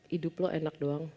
hidup lo enak doang